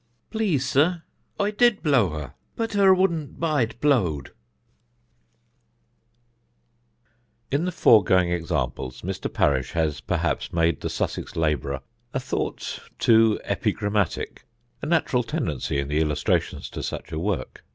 "Please, sir, I did blow her, but her wouldn't bide blowed." [Sidenote: THE SHEPHERD'S PERILS] In the foregoing examples Mr. Parish has perhaps made the Sussex labourer a thought too epigrammatic: a natural tendency in the illustrations to such a work.